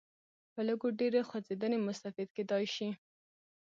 په لږ و ډېرې خوځېدنې مستفید کېدای شي.